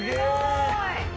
すごい！